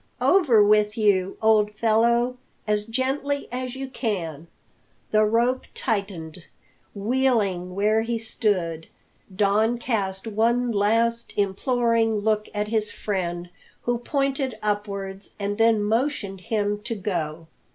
"Over with you, old fellow! As gently as you can!" The rope tightened. Wheeling where he stood, Don cast one last imploring look at his friend, who pointed upwards and then motioned him to go.